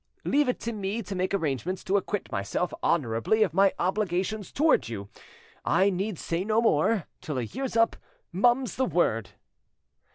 Leave it to me to make arrangements to acquit myself honourably of my obligations towards you. I need say no more; till a year's up, mum's the word."